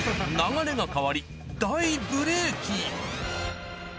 流れが変わり大ブレーキ。